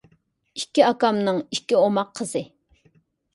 ئىككى ئاكامنىڭ ئىككى ئوماق قىزى.